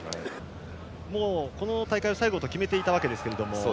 もう、この大会を最後と決めていたわけですけれども。